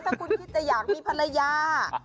ถ้าคุณคิดจะอยากมีภรรยา